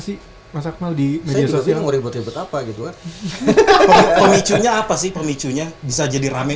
sih mas akmal di media sosial ribut ribut apa gitu pemicunya apa sih pemicunya bisa jadi rame